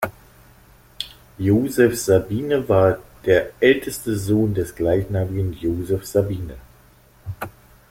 Joseph Sabine war der älteste Sohn des gleichnamigen Joseph Sabine.